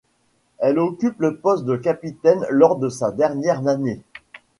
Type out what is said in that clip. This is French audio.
Elle occupe le poste de capitaine lors de sa dernière année.